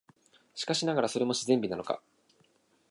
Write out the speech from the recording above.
しかしながら、それも自然美なのか、